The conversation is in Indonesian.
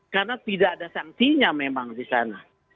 karena tidak ada sangtinya memang disana